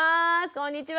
こんにちは！